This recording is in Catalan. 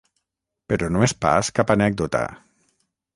Però no és pas cap anècdota.